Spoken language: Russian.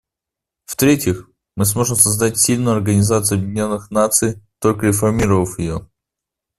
В-третьих, мы сможем создать сильную Организацию Объединенных Наций, только реформировав ее.